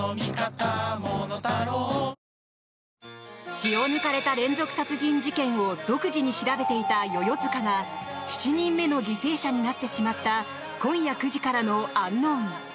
血を抜かれた連続殺人事件を独自に調べていた世々塚が７人目の犠牲者になってしまった今夜９時からの「ｕｎｋｎｏｗｎ」。